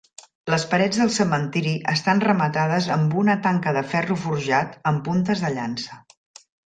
Les parets del cementiri estan rematades amb una tanca de ferro forjat amb puntes de llança.